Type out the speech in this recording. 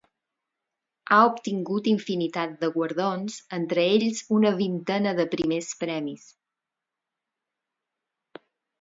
Ha obtingut infinitat de guardons entre ells una vintena de primers premis.